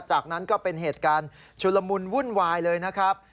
จากนั้นก็เป็นเหตุการณ์ชุลมุนวุ่นวายเลยนะครับ